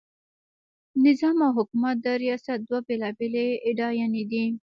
نظام او حکومت د ریاست دوه بېلابېلې اډانې دي.